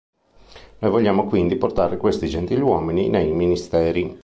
Noi vogliamo quindi portare questi gentiluomini nei ministeri.